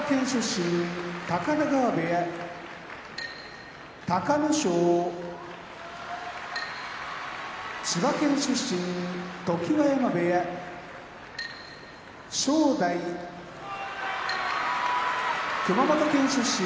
高田川部屋隆の勝千葉県出身常盤山部屋正代熊本県出身